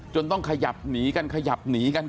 ต้องขยับหนีกันขยับหนีกัน